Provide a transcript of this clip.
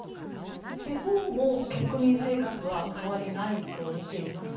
地方も国民生活は変わりないとみていますか？